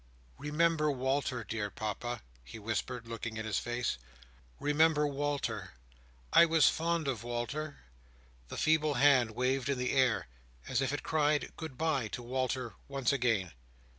"Remember Walter, dear Papa," he whispered, looking in his face. "Remember Walter. I was fond of Walter!" The feeble hand waved in the air, as if it cried "good bye!" to Walter once again.